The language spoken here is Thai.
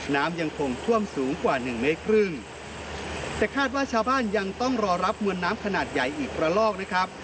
น้ำยังคงท่วมสูงกว่าหนึ่งเมตรครึ่งแต่คาดว่าชาวบ้านยังต้องรอรับมวลน้ำขนาดใหญ่อีกระลอกนะครับ